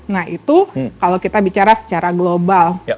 nah itu kalau kita bicara secara global